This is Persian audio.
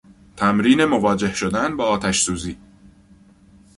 تمرین مواجه شدن با آتش سوزی